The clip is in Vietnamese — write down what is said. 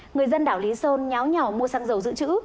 người dân đảo lý sơn nháo nhỏ mua xăng dầu giữ chữ